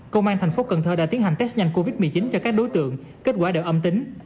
công an thành phố cần thơ đã tiến hành test nhanh covid một mươi chín cho các đối tượng kết quả đều âm tính